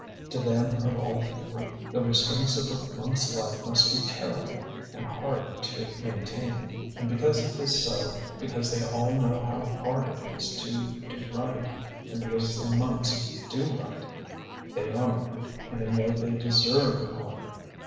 To them of all people the restraints of a monk's life must be terrible and hard to maintain. And because it is so, because they all know how hard it is to do right, and because the monks do right, they honour them, and they know they deserve honour.